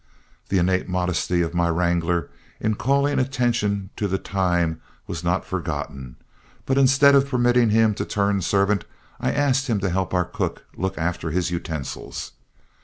The innate modesty of my wrangler, in calling attention to the time, was not forgotten, but instead of permitting him to turn servant, I asked him to help our cook look after his utensils.